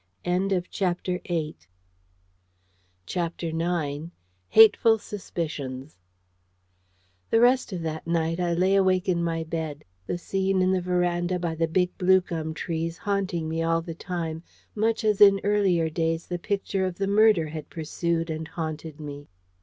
CHAPTER IX. HATEFUL SUSPICIONS The rest of that night I lay awake in my bed, the scene in the verandah by the big blue gum trees haunting me all the time, much as in earlier days the Picture of the murder had pursued and haunted me.